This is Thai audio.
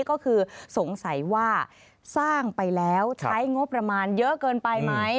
ก็คือสงสัยว่าสร้างไปแล้วใช้งบประมาณเยอะเกินไปไหม